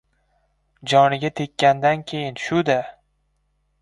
— Joniga tekkandan keyin shu-da!